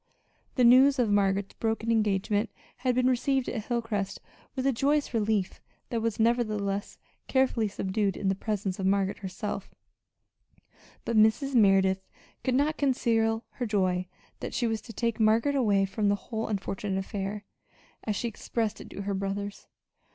The news of Margaret's broken engagement had been received at Hilcrest with a joyous relief that was nevertheless carefully subdued in the presence of Margaret herself; but Mrs. Merideth could not conceal her joy that she was to take Margaret away from the "whole unfortunate affair," as she expressed it to her brothers.